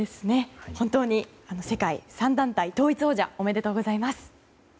本当に世界３団体統一王者おめでとうございます。